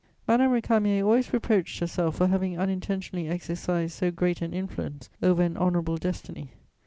Madame Récamier always reproached herself for having unintentionally exercised so great an influence over an honourable destiny.